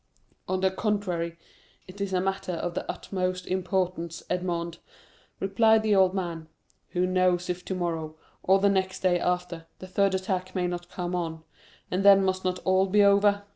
"On the contrary, it is a matter of the utmost importance, Edmond!" replied the old man. "Who knows if tomorrow, or the next day after, the third attack may not come on? and then must not all be over?